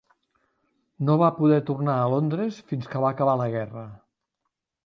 No va poder tornar a Londres fins que va acabar la guerra.